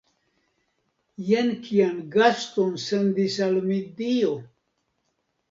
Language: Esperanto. Jen kian gaston sendis al mi Dio!